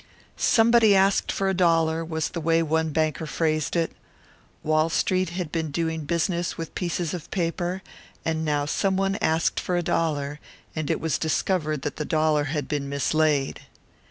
"Somebody asked for a dollar," was the way one banker phrased it. Wall Street had been doing business with pieces of paper; and now someone asked for a dollar, and it was discovered that the dollar had been mislaid.